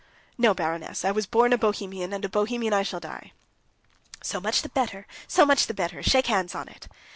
"No, baroness. I was born a Bohemian, and a Bohemian I shall die." "So much the better, so much the better. Shake hands on it."